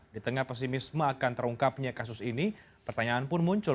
di tengah pesimisme akan terungkapnya kasus ini pertanyaan pun muncul